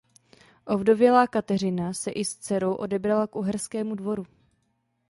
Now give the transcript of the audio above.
Ovdovělá Kateřina se i s dcerou odebrala k uherskému dvoru.